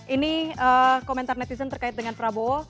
ini komentar netizen terkait dengan prabowo